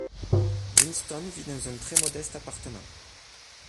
Winston vit dans un très modeste appartement.